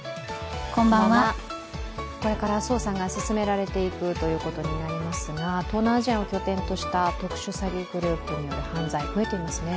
これから捜査が進められていくということになりますが、東南アジアを拠点とした特殊詐欺グループによる犯罪、増えていますね。